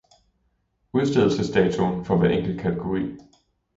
Udstedelsesdatoen for hver enkelt kategori